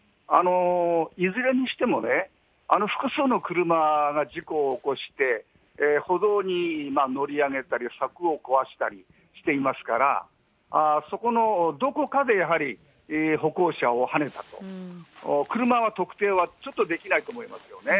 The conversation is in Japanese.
いずれにしても、あの複数の車が事故を起こして、歩道に乗り上げたり、柵を壊したりしていますから、そこのどこかやはり歩行者をはねたと、車は特定はちょっとできないと思いますよね